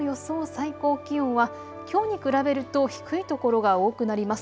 最高気温はきょうに比べると低い所が多くなります。